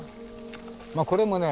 これもね